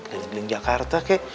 di ling jakarta kayak